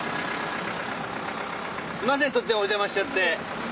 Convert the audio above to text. すいません突然お邪魔しちゃって。